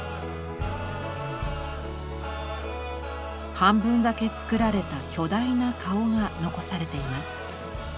半分だけ作られた巨大な顔が残されています。